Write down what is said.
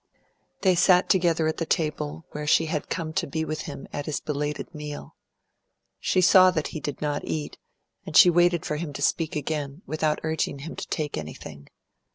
They sat together at the table, where she had come to be with him at his belated meal. She saw that he did not eat, and she waited for him to speak again, without urging him to take anything.